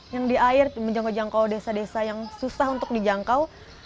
yang di air menjangkau jangkau desa desa yang susah untuk dijangkau